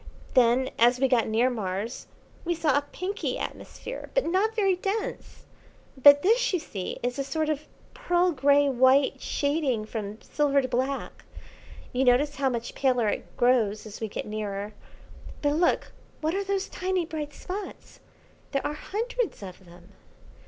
Then, as we got near Mars, we saw a pinky atmosphere, but not very dense; but this, you see, is a sort of pearl grey white shading from silver to black. You notice how much paler it grows as we get nearer. But look what are those tiny bright spots? There are hundreds of them."